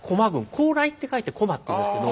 高麗って書いて「こま」っていうんですけど。